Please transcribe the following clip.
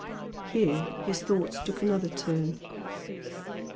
Here his thoughts took another turn.